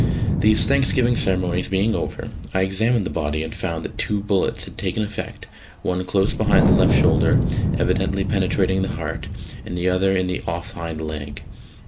These thanksgiving ceremonies being over, I examined the body and found that two bullets had taken effect one close behind the left shoulder, evidently penetrating the heart, and the other in the off hind leg.